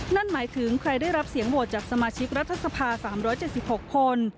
นั่นหมายถึงใครได้รับเสียงโหวตจากสมาชิกรัฐสภา๓๗๖คน